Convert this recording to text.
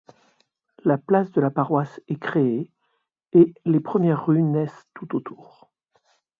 La place de la Paroisse est créée et les premières rues naissent tout autour.